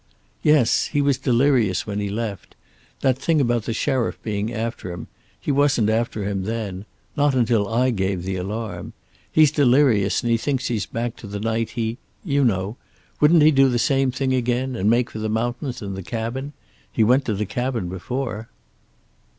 "Yes. He was delirious when he left. That thing about the sheriff being after him he wasn't after him then. Not until I gave the alarm. He's delirious, and he thinks he's back to the night he you know. Wouldn't he do the same thing again, and make for the mountains and the cabin? He went to the cabin before."